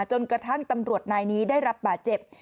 จนกระทั่งตำรวจนายนี้ได้รับบาดเจ็บ